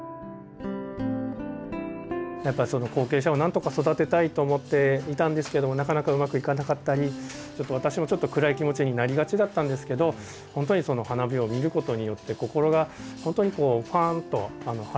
やっぱりその後継者をなんとか育てたいと思っていたんですけどもなかなかうまくいかなかったり私もちょっと暗い気持ちになりがちだったんですけど本当にすごくやっぱり元気をもらったなと。